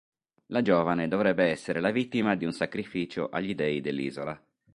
La giovane dovrebbe essere la vittima di un sacrificio agli dei dell'isola.